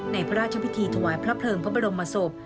พระราชพิธีถวายพระเพลิงพระบรมศพ